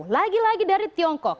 lagi lagi dari tiongkok